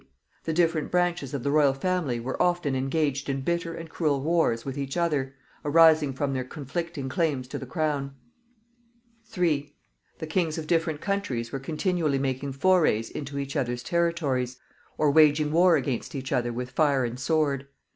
The different branches of the royal family were often engaged in bitter and cruel wars with each other, arising from their conflicting claims to the crown. 3. The kings of different countries were continually making forays into each other's territories, or waging war against each other with fire and sword.